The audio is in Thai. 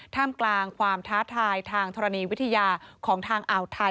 ท่ามกลางความท้าทายทางธรณีวิทยาของทางอ่าวไทย